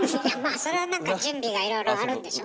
それはなんか準備がいろいろあるんでしょ。